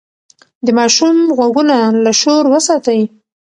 د ماشوم غوږونه له شور وساتئ.